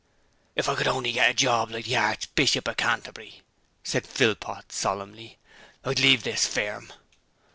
'If I could only get a job like the Harchbishop of Canterbury,' said Philpot, solemnly, 'I'd leave this firm.'